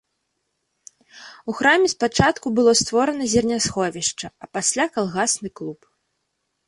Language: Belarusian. У храме спачатку было створана зернясховішча, а пасля калгасны клуб.